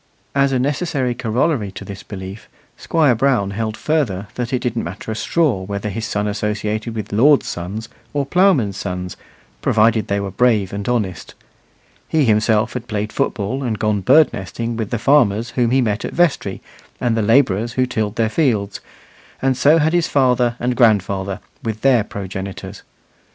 As a necessary corollary to this belief, Squire Brown held further that it didn't matter a straw whether his son associated with lords' sons or ploughmen's sons, provided they were brave and honest. He himself had played football and gone bird nesting with the farmers whom he met at vestry and the labourers who tilled their fields, and so had his father and grandfather, with their progenitors.